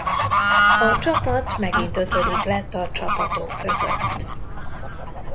A csapat megint ötödik lett a csapatok között.